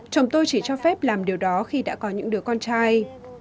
chồng tôi chỉ cho phép làm điều đó khi đã có những đứa con trai